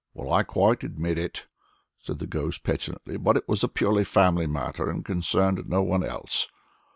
"Well, I quite admit it," said the ghost, petulantly, "but it was a purely family matter and concerned no one else."